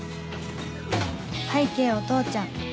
拝啓お父ちゃん